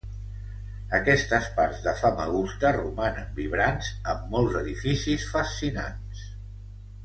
Aquestes parts de Famagusta romanen vibrants amb molts edificis fascinants.